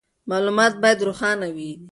معلومات باید روښانه وي.